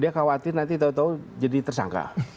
dia khawatir nanti tau tau jadi tersangka